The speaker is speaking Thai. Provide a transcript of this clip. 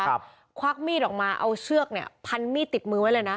ควักมีดออกมาเอาเชือกเนี้ยพันมีดติดมือไว้เลยนะ